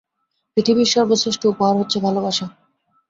পৃথিবীর সর্বশ্রেষ্ঠ উপহার হচ্ছে ভালবাসা।